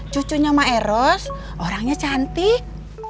cucunya maeros orangnya cantik